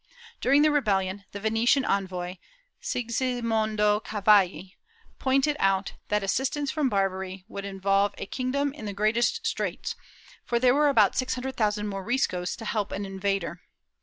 During the rebellion, the Venetian envoy, Sigismondo Cavalli, pointed out that assistance from Barbary would involve the king dom in the greatest straits, for there were about six hundred thousand Moriscos to help an invader.